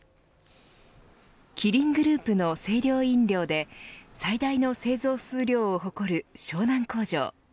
キリングループの清涼飲料で最大の製造数量を誇る湘南工場。